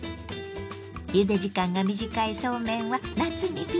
ゆで時間が短いそうめんは夏にピッタリ。